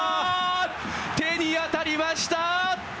手に当たりました！